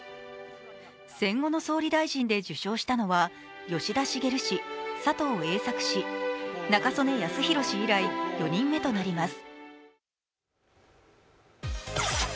戦後の総理大臣で受章したのは吉田茂氏、佐藤栄作氏中曽根康弘氏以来４人目となります。